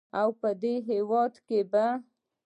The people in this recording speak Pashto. او په دې هېواد کې به